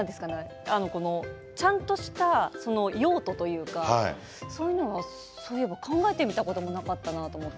ちゃんとした用途というかそういえば考えてみたことなかったなと思って。